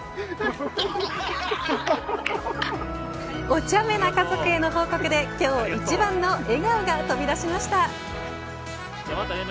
お茶目な家族への報告で今日一番の笑顔が飛び出しました。